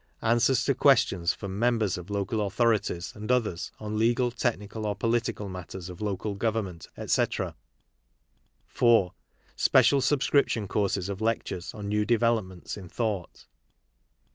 Answers. to Questions from Members of Local Authorities and othera on legal, technical or pohtical mattersof Local Government, etc. ;v. ■'^,i..:V' .,'.',■;',■*'' 'r ■ (iv.) Special subscription courses of lectures on iiew developments m thought